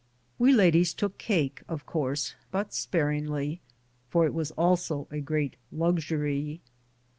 We ladies took cake, of course, but sparingly, for it was also a great luxury.